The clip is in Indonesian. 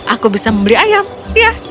aku bisa membeli ayam ya